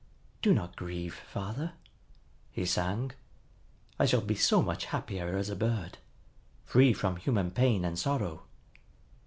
"Do not grieve, father," he sang. "I shall be so much happier as a bird, free from human pain and sorrow.